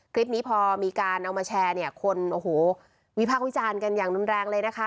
คลิปนี้พอมีการเอามาแชร์เนี่ยคนโอ้โหวิพากษ์วิจารณ์กันอย่างรุนแรงเลยนะคะ